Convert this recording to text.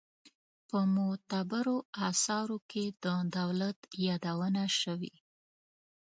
په معتبرو آثارو کې د دولت یادونه شوې.